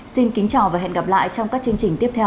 xin kính chào và hẹn gặp lại trong các chương trình tiếp theo